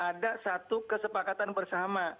ada satu kesepakatan bersama